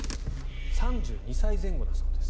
３２歳前後だそうです。